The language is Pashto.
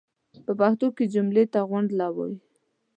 پۀ پښتو کې جملې ته غونډله وایي.